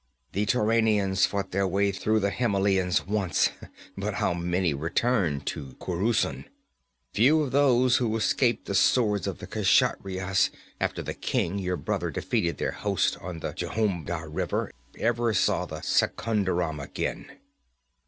The Turanians fought their way through the Himelians once, but how many returned to Khurusun? Few of those who escaped the swords of the Kshatriyas, after the king, your brother, defeated their host on the Jhumda River, ever saw Secunderam again.'